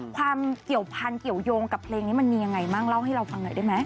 ความเกี่ยวพันธเกี่ยวยงกับเพลงนี้มันมียังไงบ้างเล่าให้เราฟังหน่อยได้ไหม